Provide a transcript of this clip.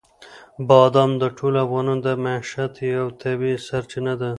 بادام د ټولو افغانانو د معیشت یوه طبیعي سرچینه ده.